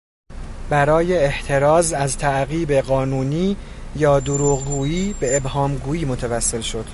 برای احتراز از تعقیب قانونی یادروغگویی به ابهام گویی متوسل شد.